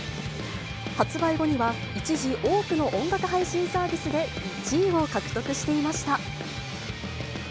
発売後には、一時、多くの音楽配信サービスで１位を獲得していました。